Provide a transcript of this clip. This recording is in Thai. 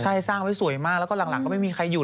ใช่สร้างไว้สวยมากแล้วก็หลังก็ไม่มีใครอยู่